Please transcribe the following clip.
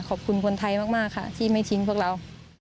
ขอบคุณคนไทยมากค่ะที่ไม่ทิ้งพวกเรา